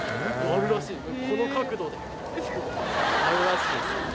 あるらしい。